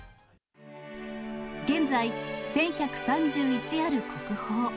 現在、１１３１ある国宝。